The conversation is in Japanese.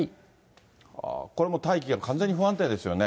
これも大気が完全に不安定ですよね。